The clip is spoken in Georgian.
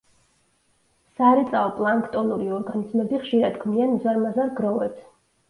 სარეწაო პლანქტონური ორგანიზმები ხშირად ქმნიან უზარმაზარ გროვებს.